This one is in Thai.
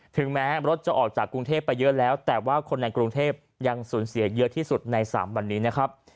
ถึงแม้รถจะออกจากกรุงเทพไปเยอะแล้วแต่ว่าคนในกรุงเทพยังสูญเสียเยอะที่สุดใน๓วันนี้นะครับ